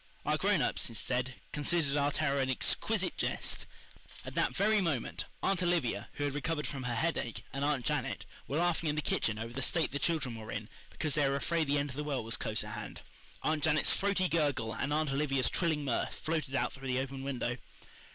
Our grown ups, instead, considered our terror an exquisite jest. At that very moment, Aunt Olivia, who had recovered from her headache, and Aunt Janet were laughing in the kitchen over the state the children were in because they were afraid the end of the world was close at hand. Aunt Janet's throaty gurgle and Aunt Olivia's trilling mirth floated out through the open window.